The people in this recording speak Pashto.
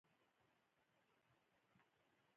چې ور وټکېده.